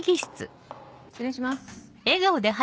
・失礼します